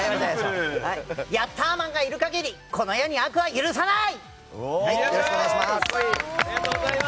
ヤッターマンがいる限りこの世に悪は許さない！